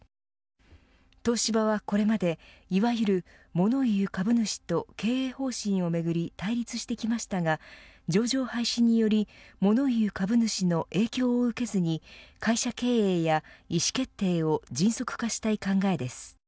東芝は、これまでいわゆるモノ言う株主と経営方針をめぐり対立してきましたが上場廃止によりモノ言う株主の影響を受けずに会社経営や意思決定を迅速化したい考えです。